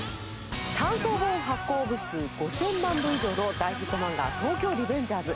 単行本発行部数５０００万部以上の大ヒット漫画『東京卍リベンジャーズ』。